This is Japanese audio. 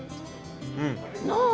うん。なあ！